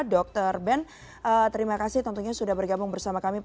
dr ben terima kasih tentunya sudah bergabung bersama kami